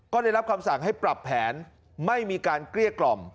ก็ได้รับคำสั่งให้ปรับแผนไม่มีการเกลี้ยกล่อม